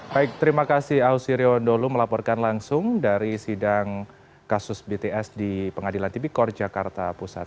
baik terima kasih ausirion dholu melaporkan langsung dari sidang kasus bts di pengadilan tipikor jakarta pusat